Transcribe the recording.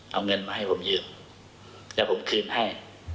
เอาเงินมาให้ผมยืมแล้วผมคืนให้